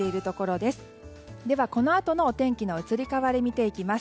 ではこのあとのお天気の移り変わりを見ていきます。